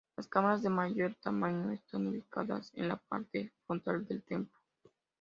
Las cámaras de mayor tamaño están ubicadas en la parte frontal del templo.